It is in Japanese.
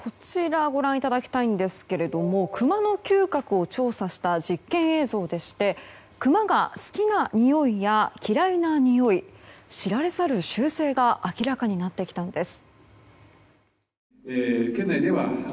こちら、クマの嗅覚を調査した実験映像でしてクマが好きなにおいや嫌いなにおい知られざる習性が明らかになってきたんです。